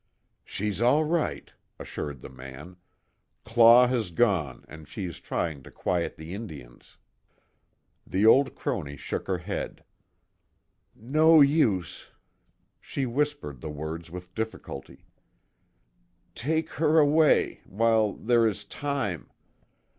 "She's all right," assured the man, "Claw has gone, and she is trying to quiet the Indians." The old crone shook her head: "No use," she whispered the words with difficulty, "Take her away while there is time.